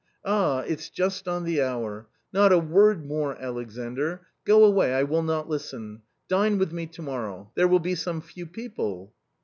Ah! it's just on the hour. Not a word more, Alexandr; go away, I will not listen; dine with me to morrow; there will be some few people."